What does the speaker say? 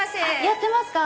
やってますか？